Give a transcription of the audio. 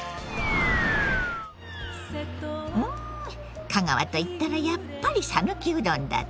うん香川といったらやっぱり讃岐うどんだって？